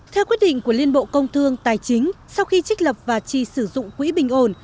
theo quyết định của liên bộ công thương tài chính sau khi trích lập và chi sử dụng quỹ bình ổn